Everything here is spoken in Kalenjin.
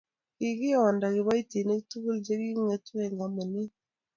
kokionda kiboitinik tugul che kong'etu eng' kampunit